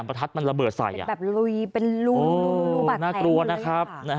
นี่ประทัดมันระเบิดใส่อ่ะหนาเกลวน่ะครับ